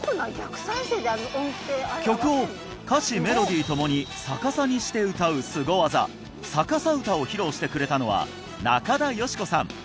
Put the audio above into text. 曲を歌詞メロディー共に逆さにして歌う凄技逆さ歌を披露してくれたのは中田芳子さん